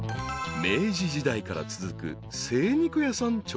［明治時代から続く精肉屋さん